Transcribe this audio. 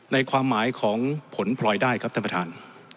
ในความหมายของผลพลอยได้ครับท่านประธาน